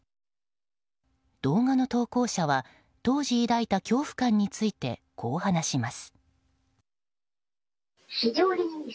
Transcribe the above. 動画の投稿者は当時、抱いた恐怖感についてこう話します。